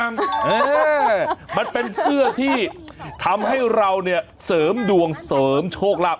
เออมันเป็นเสื้อที่ทำให้เราเนี่ยเสริมดวงเสริมโชคลาภ